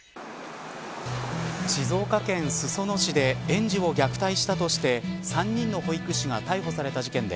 静岡県裾野市で園児を虐待したとして３人の保育士が逮捕された事件で